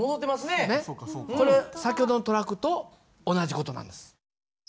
これ先ほどのトラックと同じ事なんです。